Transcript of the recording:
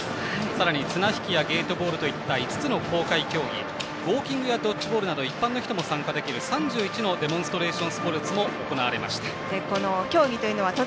さらに綱引きやゲートボールなどといった５つの公開競技そしてウォーキングやドッジボールなど一般の人も参加できる３１のデモンストレーションスポーツも行われました。